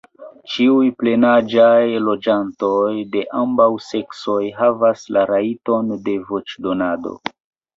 Ĉiuj plenaĝaj loĝantoj de ambaŭ seksoj havas la rajton de voĉdonado.